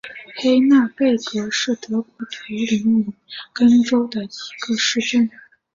黑内贝格是德国图林根州的一个市镇。